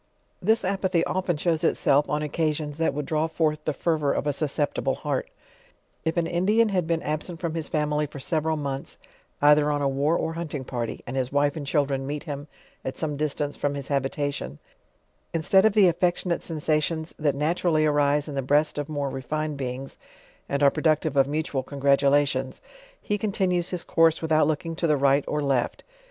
This apathy often shows itself, on occasions that would draw forth the fervor of a susceptible heart. If an Indian hud been absent from his family for several months, either on a war or hunting party, and his wife and children meet him at some distance from his habitation, instead of the affection ate sensations that naturally arise in the breast of more re fined beings, and are productive of mutual congratulations^ lit continues bis course without looking to the right or left; LEWIS AND CLARKE.